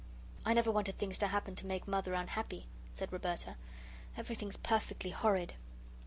"I never wanted things to happen to make Mother unhappy," said Roberta. "Everything's perfectly horrid."